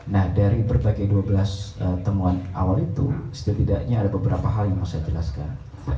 nah dari berbagai dua belas temuan awal itu setidaknya ada beberapa hal yang mau saya jelaskan